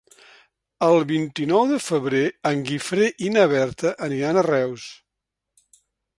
El vint-i-nou de febrer en Guifré i na Berta aniran a Reus.